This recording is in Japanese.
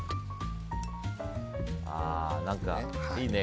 何かいいね。